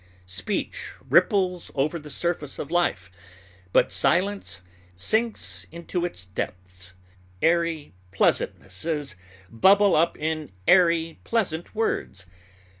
Speech ripples over the surface of life, but silence sinks into its depths. Airy pleasantnesses bubble up in airy, pleasant words.